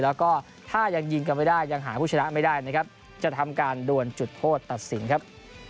แล้วก็ถ้ายังยิงกันไม่ได้ยังหาผู้ชนะไม่ได้นะครับจะทำการดวนจุดโทษตัดสินครับ